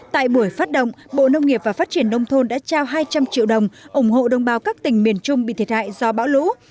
tại buổi phát động bộ nông nghiệp và phát triển nông thôn đã trao hai trăm linh triệu đồng ủng hộ đồng bào các tỉnh miền trung bị thiệt hại do bão lũ